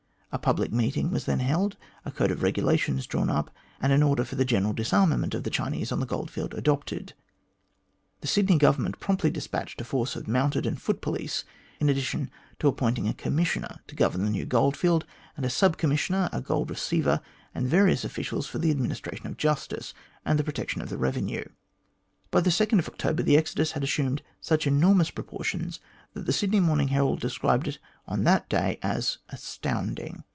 A public meeting was then held, a code of regulations drawn up, and an order for the general disarma ment of the Chinese on the goldfield adopted. The Sydney Government promptly despatched a force of mounted and foot police, in addition to appointing a Commissioner to govern the new goldfield, a Sub Commissioner, a Gold Receiver, and various officials for the administration of justice and the protection of the revenue. By October 2, the exodus had assumed such enormous proportions that the Sydney Morning Herald described it on that day as " astound ing."